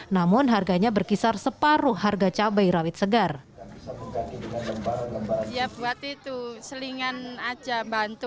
namun harganya berkisar separuh harga cabai rawit segar ya buat itu selingan aja bantu